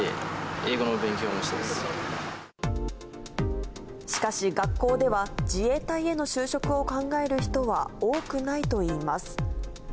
英語の勉強もしかし、学校では自衛隊への就職を考える人は多くないといいます。